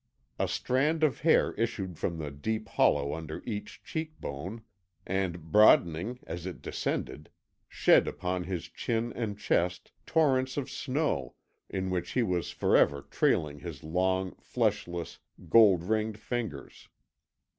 A strand of hair issued from the deep hollow under each cheek bone, and, broadening as it descended, shed upon his chin and chest torrents of snow in which he was for ever trailing his long, fleshless, gold ringed fingers.